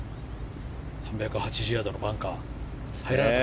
３８０ヤードのバンカー。